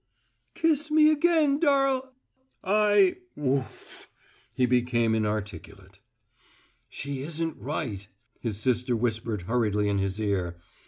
"Kiss me again, darl " "I woof!" He became inarticulate. "She isn't quite right," his sister whispered hurriedly in his ear.